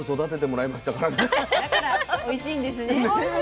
だからおいしいんですね。